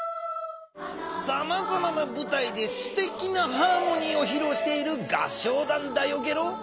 さまざまなぶたいですてきなハーモニーをひろうしている合唱団だよゲロ。